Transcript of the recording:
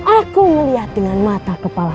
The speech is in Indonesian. aku melihat dengan mata kepala